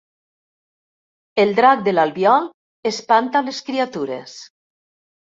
El drac de l'Albiol espanta les criatures